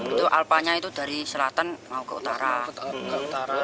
itu alpanya itu dari selatan mau ke utara